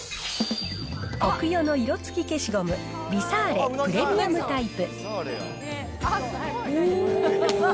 コクヨの色つき消しゴム、リサーレプレミアムタイプ。